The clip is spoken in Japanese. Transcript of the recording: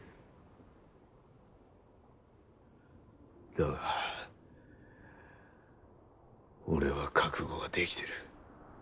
だが俺は覚悟ができてる。